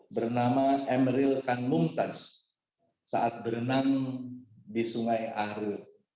bernama emeril kanmuntas saat berenang di sungai arre